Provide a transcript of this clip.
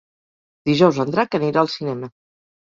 Dijous en Drac anirà al cinema.